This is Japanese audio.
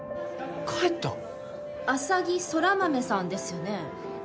浅葱空豆さんですよね。